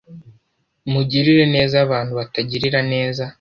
mugirire neza abantu batagirira neza,